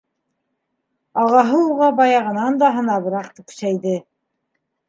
- Ағаһы уға баяғынан да һынабыраҡ тексәйҙе.